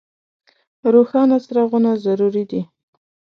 روښانه څراغونه ضروري دي.